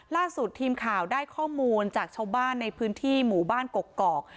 ล่าสุดทีมข่าวได้ข้อมูลจากชาวบ้านในพื้นที่หมู่บ้านกกอก